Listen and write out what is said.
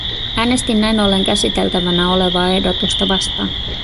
Äänestin näin ollen käsiteltävänä olevaa ehdotusta vastaan.